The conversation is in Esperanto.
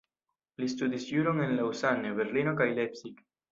Li studis juron en Lausanne, Berlino kaj Leipzig.